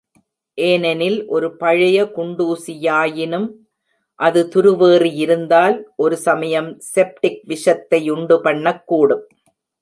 ஏனெனில், ஒரு பழைய குண்டூசியாயினும் அது துருவேறியிருந்தால், ஒரு சமயம், செப்டிக் விஷத்தை யுண்டுபண்ணக்கூடும்.